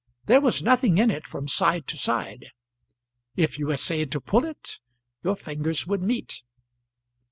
There was nothing in it from side to side. If you essayed to pull it, your fingers would meet.